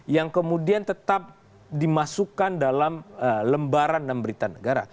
yang kemudian tetap dimasukkan dalam lembaran dan berita negara